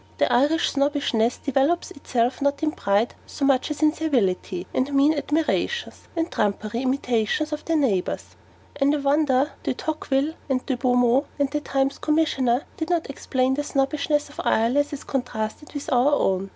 The Irish snobbishness developes itself not in pride so much as in servility and mean admirations, and trumpery imitations of their neighbours. And I wonder De Tocqueville and De Beaumont, and THE TIMES' Commissioner, did not explain the Snobbishness of Ireland as contrasted with our own.